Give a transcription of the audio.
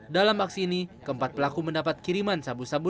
dalam aksi ini keempat pelaku mendapat kiriman sabu sabu